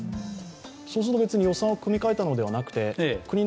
そうすると別に予算を組み換えたのではなくて。